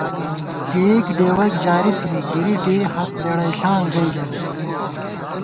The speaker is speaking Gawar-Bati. ڈېئیک ڈېوَئیک جاری تھنی ، گِرِی ڈېئی ہست لېڑئیݪاں گئ ژمېت